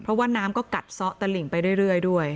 เพราะว่าน้ำก็กัดซ่อตะหลิ่งไปเรื่อยด้วย